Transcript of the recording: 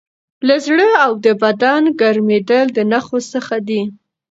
لړزه او د بدن ګرمېدل د نښو څخه دي.